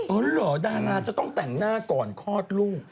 เหรอดาราจะต้องแต่งหน้าก่อนคลอดลูก